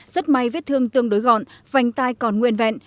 rất may vết thương tương đối gọn vành tai còn nguyên vẹn